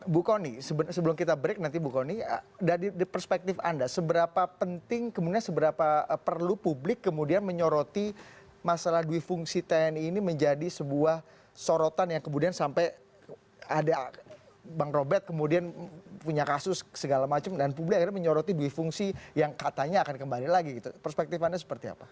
bu kony sebelum kita break nanti bu kony dari perspektif anda seberapa penting kemudian seberapa perlu publik kemudian menyoroti masalah duifungsi tni ini menjadi sebuah sorotan yang kemudian sampai ada bang robert kemudian punya kasus segala macam dan publik akhirnya menyoroti duifungsi yang katanya akan kembali lagi gitu perspektif anda seperti apa